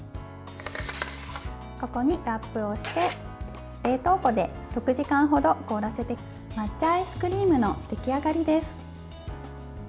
ここにラップをして冷凍庫で６時間ほど凍らせて抹茶アイスクリームの出来上がりです。